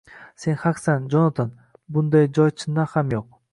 — Sen haqsan, Jonatan, bunday joy chindan ham yo‘q.